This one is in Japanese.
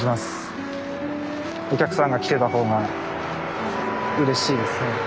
お客さんが来てた方がうれしいですね。